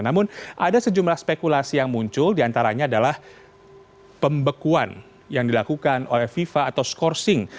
namun ada sejumlah spekulasi yang muncul diantaranya adalah pembekuan yang dilakukan oleh fifa atau skorsing